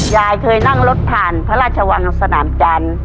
ยายเคยนั่งรถผ่านพระราชวังสนามจันทร์